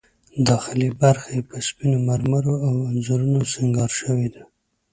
داخلي برخه یې په سپینو مرمرو او انځورونو سینګار شوې ده.